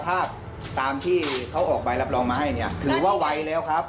ภาพตามที่เขาออกใบรับรองมาให้เนี่ยถือว่าไวแล้วครับ